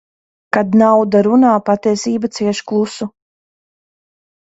Kad nauda runā, patiesība cieš klusu.